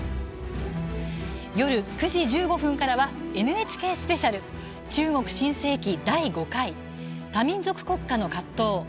夜９時１５分からはＮＨＫスペシャル「中国新世紀第５回“多民族国家”の葛藤」